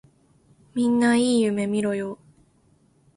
みんないい夢みろよ。